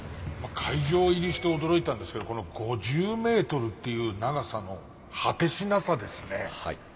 会場入りして驚いたんですけどこの５０メートルっていう長さの果てしなさですね。